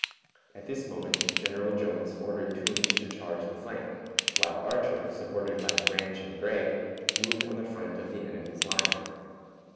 At this moment General Jones ordered Toombs to charge the flank, while Archer, supported by Branch and Gregg, moved on the front of the enemy's line.